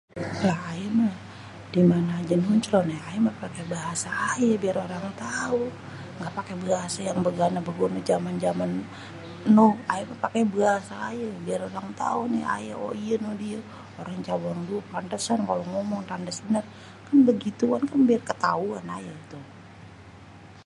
"Lah aye meh di mane aje aye uncloh, aye mah pake bahasa aye biar orang tau, ngga pake bahasa yang begana-begono jaman-jaman noh. Aye mah pake bahasa aye biar orang tau nih kalo aye, ""oh iya nih die orang Cabang Due pantesan kalo ngomong tandes bener"" kan begituan biar ketauan aye tuh."